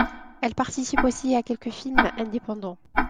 Elle participe aussi à quelques films indépendants.